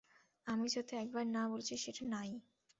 আমি যাতে একবার না বলেছি সেটা নায়ি।